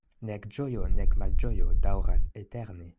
Nek ĝojo, nek malĝojo daŭras eterne.